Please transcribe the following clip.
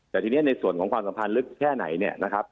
แต่ทีนี้ในส่วนของความสัมพันธ์ลึกแค่ไหนเนี่ยนะครับ